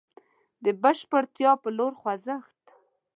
د بشپړتيا په لور خوځښت.